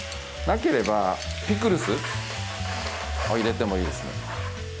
なければピクルスを入れてもいいですね。